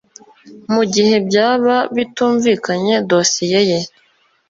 mu gihe byaba bitumvikanye dosiye ye